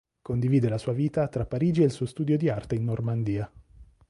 Condivide la sua vita tra Parigi e il suo studio di arte in Normandia.